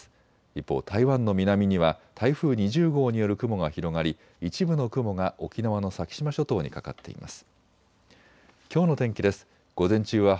一方、台湾の南には台風２０号による雲が広がり一部の雲が沖縄の先島諸島にかかっています。